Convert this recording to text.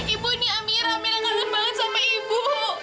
ibu ini amira amira kangen banget sama ibu